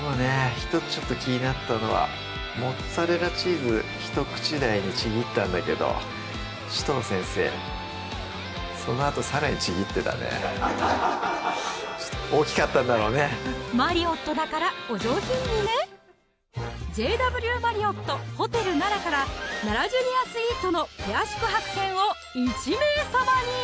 １つちょっと気になったのはモッツァレラチーズ一口大にちぎったんだけど紫藤先生そのあとさらにちぎってたねちょっと大きかったんだろうねマリオットだからお上品にねＪＷマリオット・ホテル奈良から「ＮＡＲＡジュニアスイートのペア宿泊券」を１名様に！